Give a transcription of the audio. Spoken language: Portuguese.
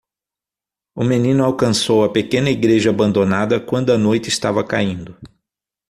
O menino alcançou a pequena igreja abandonada quando a noite estava caindo.